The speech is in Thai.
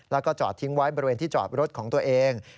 แล้วก็จอดทิ้งไว้บริเวณที่จอดรถของตัวเอง